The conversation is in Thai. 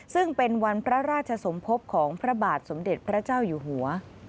ซึ่งเป็นวันพระราชสมภพของพระบาทสมเด็จพระเจ้าอยู่หัว